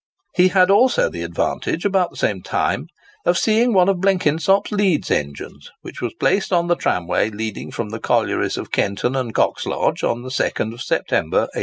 He had also the advantage, about the same time, of seeing one of Blenkinsop's Leeds engines, which was placed on the tramway leading from the collieries of Kenton and Coxlodge, on the 2nd September, 1813.